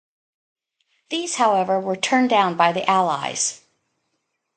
These, however, were turned down by the Allies.